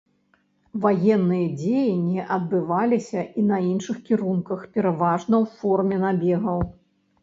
Ваенныя дзеянні адбываліся і на іншых кірунках, пераважна ў форме набегаў.